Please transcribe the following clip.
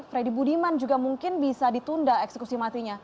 freddy budiman juga mungkin bisa ditunda eksekusi matinya